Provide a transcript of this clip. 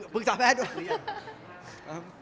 ผึกสาแพทย์